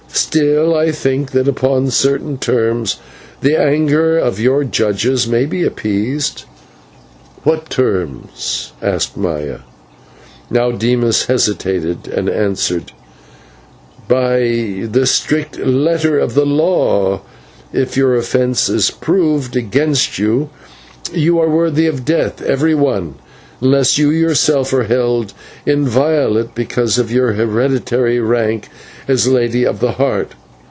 Still, I think that upon certain terms the anger of your judges may be appeased." "What terms?" asked Maya. Now Dimas hesitated, and answered: "By the strict letter of the law, if your offence is proved against you, you are worthy of death, every one, unless you yourself are held inviolate because of your hereditary rank as Lady of the Heart.